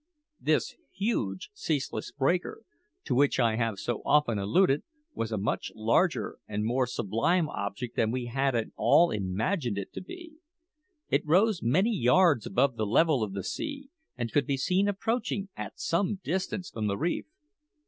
This huge, ceaseless breaker, to which I have so often alluded, was a much larger and more sublime object than we had at all imagined it to be. It rose many yards above the level of the sea, and could be seen approaching at some distance from the reef.